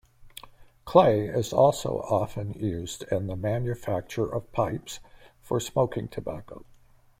Clay is also often used in the manufacture of pipes for smoking tobacco.